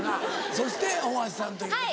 そして大橋さんということで。